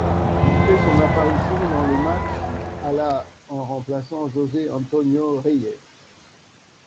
Il fait son apparition dans le match à la en remplaçant José Antonio Reyes.